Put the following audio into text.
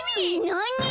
なに！